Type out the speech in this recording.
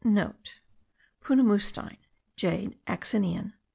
(* Punamustein (jade axinien).